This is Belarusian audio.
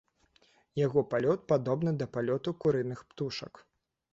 Яго палёт падобны да палёту курыных птушак.